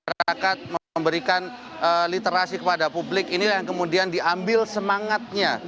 masyarakat memberikan literasi kepada publik inilah yang kemudian diambil semangatnya